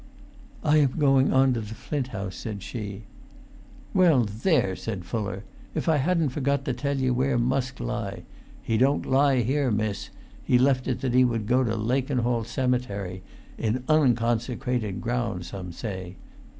"I am going on to the Flint House," said she. "Well, there!" cried Fuller, "if I hadn't forgot to tell you where Musk lie! He don't lie here, miss; he left it that he would go to Lakenhall cemetery, in onconsecrated ground, some say.